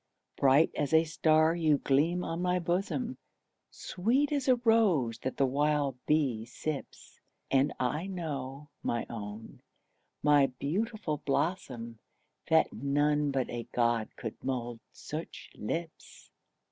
Bright as a star you gleam on my bosom, Sweet as a rose that the wild bee sips; And I know, my own, my beautiful blossom, That none but a God could mould such lips.